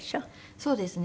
そうですね。